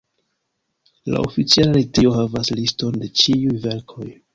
La oficiala retejo havas liston de ĉiuj verkoj.